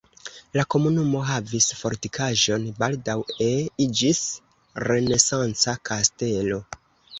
La komunumo havis fortikaĵon, baldaŭe iĝis renesanca kastelo.